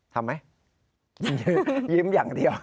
ทำไหมยิ้มอย่างเดียว